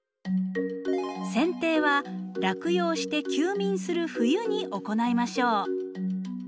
せん定は落葉して休眠する冬に行いましょう。